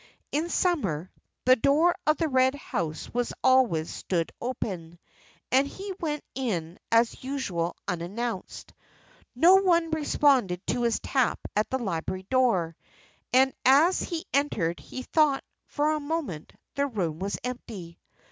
In summer, the door of the Red House always stood open, and he went in as usual unannounced. No one responded to his tap at the library door, and as he entered he thought, for a moment, the room was empty.